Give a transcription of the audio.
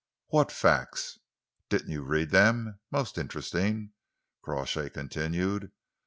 "What facts?" "Didn't you read them? Most interesting!" Crawshay continued.